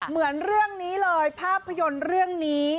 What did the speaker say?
เหมือนเรื่องนี้เลยภาพยนตร์เรื่องนี้